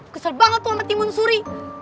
kesel banget tuh sama timun suri